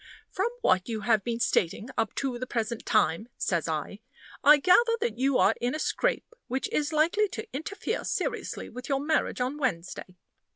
"From what you have been stating up to the present time," says I, "I gather that you are in a scrape which is likely to interfere seriously with your marriage on Wednesday?"